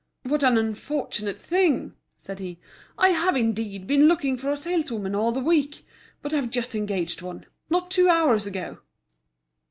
"What an unfortunate thing!" said he. "I have, indeed, been looking for a saleswoman all the week; but I've just engaged one—not two hours ago."